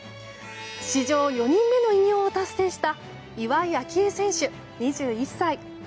史上４人目の偉業を達成した岩井明愛選手、２１歳。